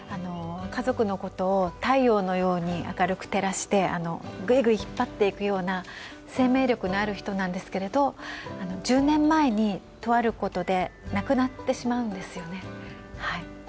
家族のことを太陽のように明るく照らして、ぐいぐい引っ張っていくような生命力のある人なんですけれど、１０年前にとあることで亡くなってしまうんですよね。